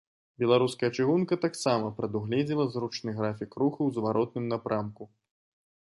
Беларуская чыгунка таксама прадугледзела зручны графік руху ў зваротным напрамку.